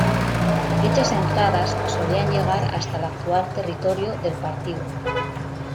Dichas "entradas" solían llegar hasta el actual territorio del partido.